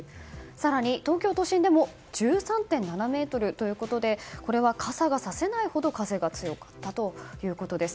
更に、東京都心でも１３．７メートルということでこれは傘がさせないほど風が強かったということです。